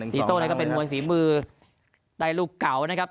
ตีโต้เป็นมวยฝีมือใดลูกเก่านะครับ